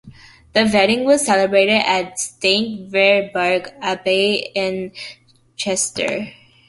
The wedding was celebrated at Saint Werburgh's Abbey in Chester.